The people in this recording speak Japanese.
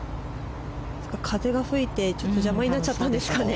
風が吹いて邪魔になっちゃったんですかね。